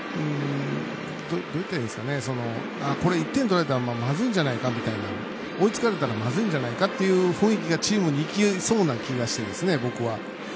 これ、１点を取られたらまずいんじゃないかみたいな追いつかれたらまずいんじゃないかみたいな雰囲気がチームにいきそうな気がして僕は。